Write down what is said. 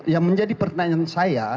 yang menjadi pertanyaan saya